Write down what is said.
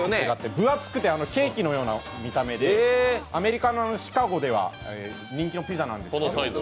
分厚くてケーキのような見た目で、アメリカのシカゴでは人気のピザで。